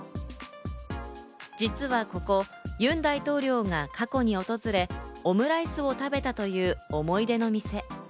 実はここ、ユン大統領が過去に訪れ、オムライスを食べたという思い出の店。